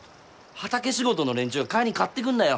畑仕事の連中が帰りに買ってくんだよ。